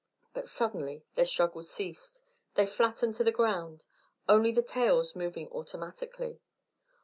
But suddenly their struggles ceased; they flattened to the ground, only the tails moving automatically.